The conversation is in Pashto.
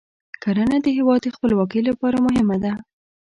کرنه د هیواد د خپلواکۍ لپاره مهمه ده.